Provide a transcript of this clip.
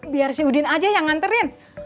biar si udin aja yang nganterin